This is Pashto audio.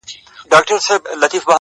• دولت وویل تر علم زه مشهور یم,